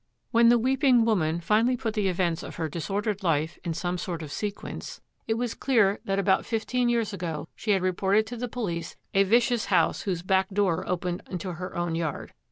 When the weeping woman finally put the events of her disordered life in some sort of sequence, it was clear that about fifteen years ago she had reported to the police a vicious house whose back door opened into her own yard.